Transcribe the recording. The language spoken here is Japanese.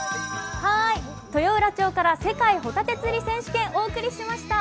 豊浦町から世界ホタテ釣り選手権大会をお送りしました。